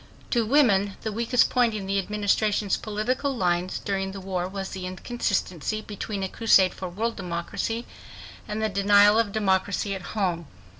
To women the weakest point in the Administration's political lines during the war was the inconsistency between a crusade for world democracy and the denial of democracy at home.